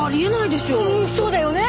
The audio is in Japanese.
そうだよね！